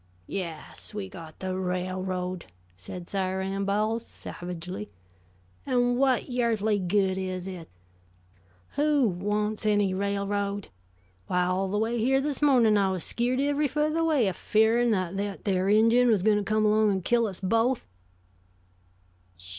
"Yes, we got the railroad," said Sar' Ann Bowles, savagely, "and what yearthly good is hit? Who wants any railroad? Why, all the way here this mornin', I was skeered every foot of the way, afearin' that there ingine was goin' to come along an' kill us both!"